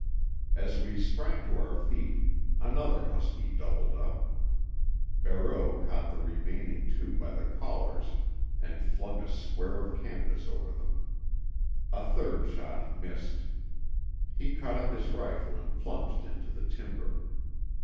As we sprang to our feet another husky doubled up. Barreau caught the remaining two by the collars and flung a square of canvas over them. A third shot missed. He caught up his rifle and plunged into the timber.